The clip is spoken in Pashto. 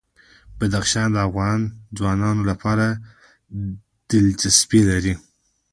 بدخشان د افغان ځوانانو لپاره دلچسپي لري.